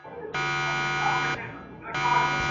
په شپږ کلنی کي ولیکی ..